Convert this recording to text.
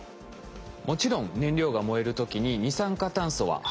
もちろん燃料が燃える時に二酸化炭素は排出されます。